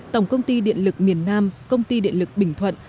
tổng công ty điện lực miền nam công ty điện lực bình thuận